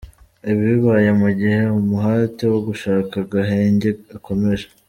Ibi bibaye mu gihe umuhate wo gushaka agahenge ukomeje.